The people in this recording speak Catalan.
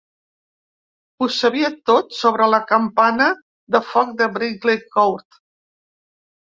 Ho sabia tot sobre la campana de foc de Brinkley Court.